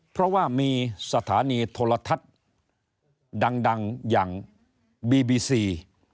เพราะว่ามีสถานีโทรทัศน์ดังอย่างบีบีซี